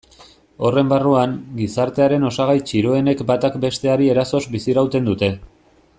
Horren barruan, gizartearen osagai txiroenek batak besteari erasoz bizirauten dute.